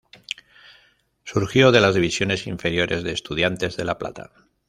Surgió de las divisiones inferiores de Estudiantes de La Plata.